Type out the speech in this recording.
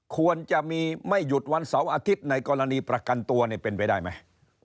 ควรจะมีไม่หยุดวันเสาร์อาทิตย์ในกรณีประกันตัวเป็นไปได้ไหม